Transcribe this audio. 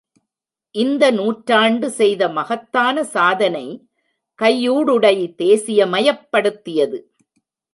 இந்த நூற்றாண்டு செய்த மகத்தான சாதனை, கையூடுடை தேசியமயப்படுத்தியது.